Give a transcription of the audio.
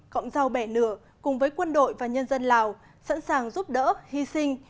cọng rau bẻ nửa cùng với quân đội và nhân dân lào sẵn sàng giúp đỡ hy sinh